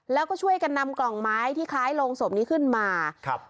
แล้วก็ช่วยกันนำกล่องไม้ที่คล้ายโรงศพนี้ขึ้นมาครับ